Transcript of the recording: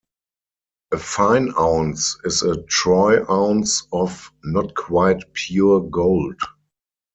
A fine ounce is a Troy ounce of not quite pure gold.